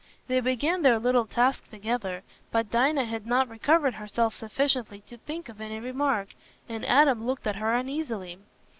They began their little task together, but Dinah had not recovered herself sufficiently to think of any remark, and Adam looked at her uneasily.